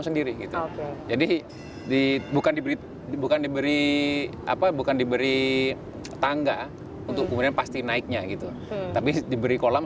sendiri gitu jadi bukan diberi tangga untuk kemudian pasti naiknya gitu tapi diberi kolam